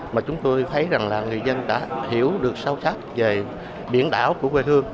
mà chúng tôi thấy rằng là người dân đã hiểu được sâu sắc về biển đảo của quê hương